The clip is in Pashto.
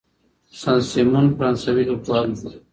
سن سیمون فرانسوي لیکوال و.